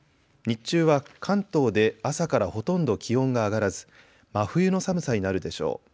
日中は関東で朝からほとんど気温が上がらず真冬の寒さになるでしょう。